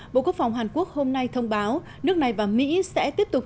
bộ quốc phòng hàn quốc hôm nay thông báo nước này và mỹ sẽ tiếp tục